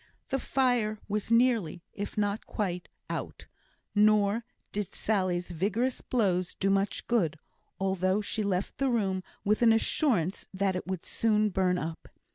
The fire was nearly, if not quite, out; nor did Sally's vigorous blows do much good, although she left the room with an assurance that it would soon burn up.